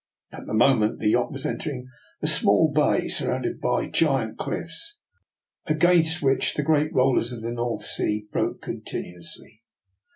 At the moment the yacht was entering a small bay, surrounded by giant cliffs, against, which the great rollers of the North Sea broke continuously.